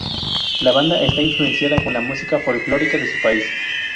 La banda está influenciada con la música folclórica de su país.